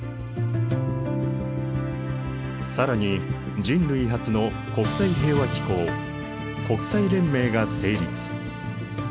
更に人類初の国際平和機構国際連盟が成立。